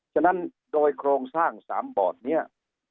ฉะนั้นโดยโครงสร้าง๓บอร์ดนี้